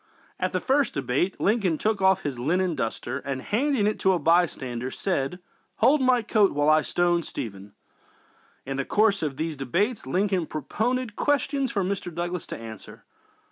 ||| At the first debate Lincoln took off his linen duster and, handing it to a bystander, said: "Hold my coat while I stone Stephen!" In the course of these debates Lincoln propounded questions for Mr. Douglas to answer.